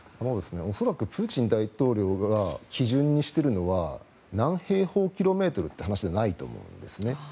恐らくプーチン大統領が基準にしているのは何平方キロメートルっていう話じゃないと思うんですね。